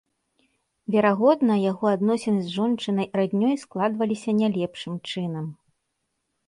Верагодна яго адносіны з жончынай раднёй складваліся нялепшым чынам.